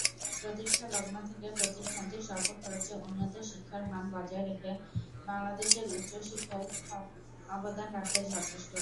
প্রতিষ্ঠালগ্ন থেকে প্রতিষ্ঠানটি স্বল্প খরচে উন্নত শিক্ষার মান বজায় রেখে বাংলাদেশের উচ্চশিক্ষায় অবদান রাখতে সচেষ্ট।